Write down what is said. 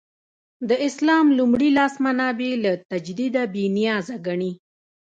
د اسلام لومړي لاس منابع له تجدیده بې نیازه ګڼي.